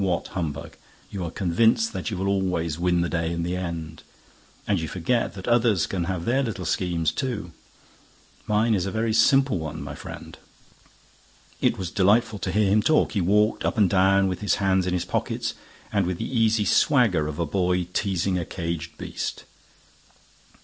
What humbug! You are convinced that you will always win the day in the end—and you forget that others can have their little schemes, too. Mine is a very simple one, my friend." It was delightful to hear him talk. He walked up and down, with his hands in his pockets and with the easy swagger of a boy teasing a caged beast.